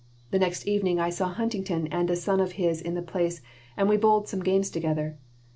The next evening I saw Huntington and a son of his in the place and we bowled some games together.